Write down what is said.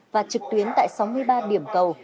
và trực tuyến tại sáu mươi ba điểm cầu